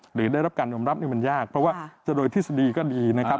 หรือได้รับการยอมรับนี่มันยากเพราะว่าจะโดยทฤษฎีก็ดีนะครับ